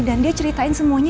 dan dia ceritain semuanya